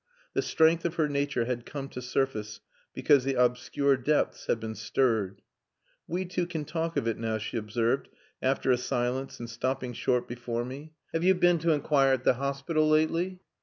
The strength of her nature had come to surface because the obscure depths had been stirred. "We two can talk of it now," she observed, after a silence and stopping short before me. "Have you been to inquire at the hospital lately?"